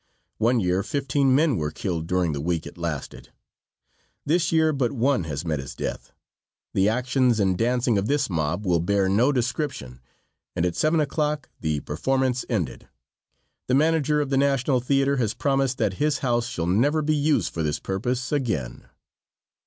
One year fifteen men were killed during the week it lasted. This year but one has met his death. The actions and dancing of this mob will bear no description, and at 7 o'clock the performance ended. The manager of the National Theater has promised that his house shall never be used for this purpose again.